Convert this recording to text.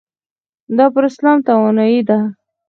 دا پر اسلام توانایۍ ده.